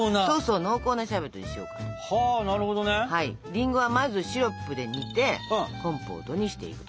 りんごはまずシロップで煮てコンポートにしていくと。